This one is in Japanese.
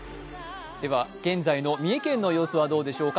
現在の三重県の様子はどうでしょうか。